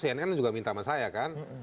termasuk cnn juga minta sama saya kan